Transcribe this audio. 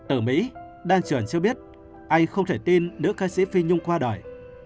ở mỹ đan trường cho biết anh không thể tin nữ ca sĩ phi nhung qua đời